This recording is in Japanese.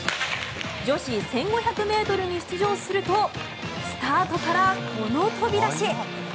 女子１５００ｍに出場するとスタートからこの飛び出し。